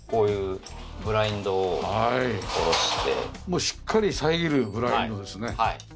もうしっかり遮るブラインドですね。